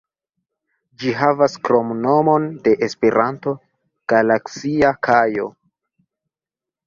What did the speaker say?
Ĝi havas kromnomon de Esperanto, "Galaksia Kajo".